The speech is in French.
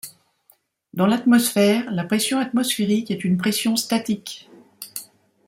Dans l'atmosphère la pression atmosphérique est une pression statique.